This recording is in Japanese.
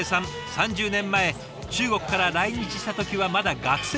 ３０年前中国から来日した時はまだ学生でした。